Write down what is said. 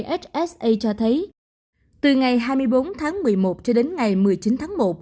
ssa cho thấy từ ngày hai mươi bốn tháng một mươi một cho đến ngày một mươi chín tháng một